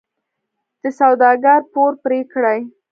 د سوداګر پور پرې کړي.